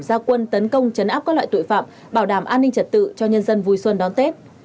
gia quân tấn công chấn áp các loại tội phạm bảo đảm an ninh trật tự cho nhân dân vui xuân đón tết